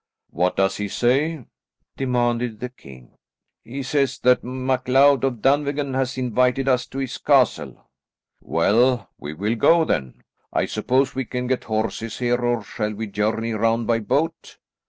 "What does he say?" demanded the king. "He says that MacLeod of Dunvegan has invited us to his castle." "Well, we will go then. I suppose we can get horses here, or shall we journey round by boat?"